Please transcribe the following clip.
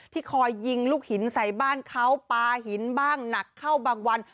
ที่คอยยิงลูกหินใส่บ้านเขาปลาหินบ้างหนักเข้าบางวัน